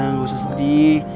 gak usah sedih